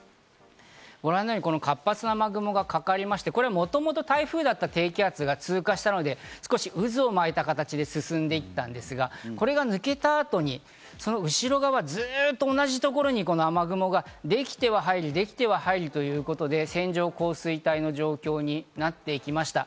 ご覧のように活発な雨雲がかかりまして、もともと台風だった低気圧が通過したので、少し渦を巻いた形で進んでいったんですが、これが抜けた後にその後側はずっと同じところに雨雲ができては入り、できては入りということで線状降水帯の状況になっていきました。